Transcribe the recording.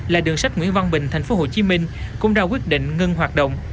là đường sách nguyễn văn bình tp hcm cũng ra quyết định ngưng hoạt động